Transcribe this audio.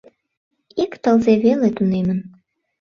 — Ик тылзе веле тунемын.